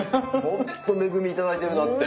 ほんと恵み頂いてるなって。